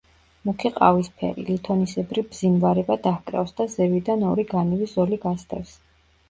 მუქი ყავისფერი, ლითონისებრი ბზინვარება დაჰკრავს და ზევიდან ორი განივი ზოლი გასდევს.